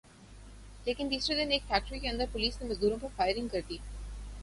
لیکن تیسرے دن ایک فیکٹری کے اندر پولیس نے مزدوروں پر فائرنگ کر دی